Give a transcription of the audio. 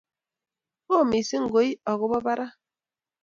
Oo missing' koi akopo parak